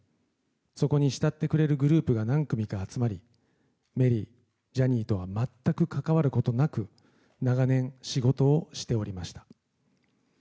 そこに慕ってくれるグループが何組か集まりメリー、ジャニーとは全く関わることなく長年、仕事をしておりました。